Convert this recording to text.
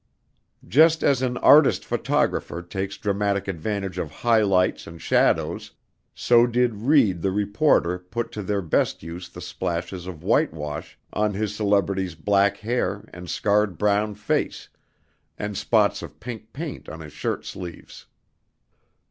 Just as an "artist photographer" takes dramatic advantage of high lights and shadows, so did Reid the reporter put to their best use the splashes of whitewash on his celebrity's black hair and scarred brown face, and spots of pink paint on his shirt sleeves.